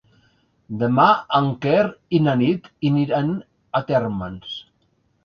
Demà en Quer i na Nit iran a Térmens.